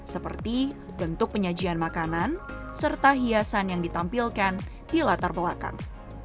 seperti bentuk penyajian makanan serta hiasan yang ditampilkan di latar belakang